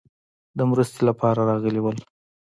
د مرستې لپاره راغلي ول.